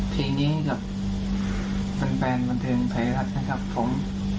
เพลงนี้ให้กับแฟนบันเทียมไพรรัฐนะครับผม